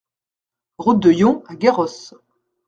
Route de Yon à Garrosse